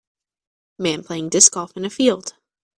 Man playing disc golf in a field.